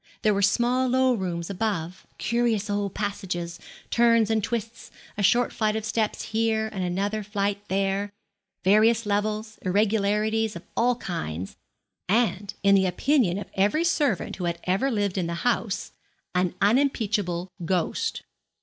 There were small low rooms above, curious old passages, turns and twists, a short flight of steps here, and another flight there, various levels, irregularities of all kinds, and, in the opinion of every servant who had ever lived in the house, an unimpeachable ghost.